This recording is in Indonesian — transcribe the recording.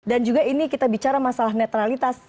dan juga ini kita bicara masalah netralitas